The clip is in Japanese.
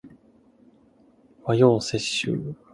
和洋折衷